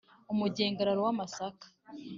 Umugengararo w'amasaka.